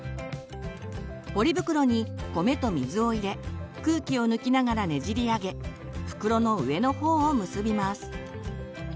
ポリ袋に米と水を入れ空気を抜きながらねじり上げ袋の上のほうを結びます。